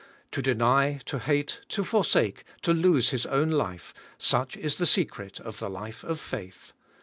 To deny, to hate, to forsake, to lose his own life, such is the secrefc of the life of faith.